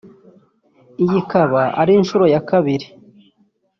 Iyi ikaba ari inshuro ya kabiri